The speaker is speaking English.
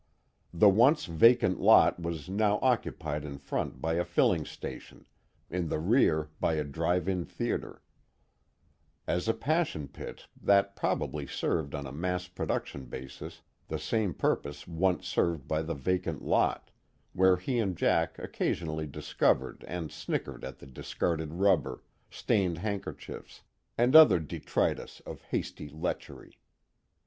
_ The once vacant lot was now occupied in front by a filling station, in the rear by a drive in theater; as a passion pit, that probably served on a mass production basis the same purpose once served by the vacant lot, where he and Jack occasionally discovered and snickered at the discarded rubber, stained handkerchiefs, and other detritus of hasty lechery.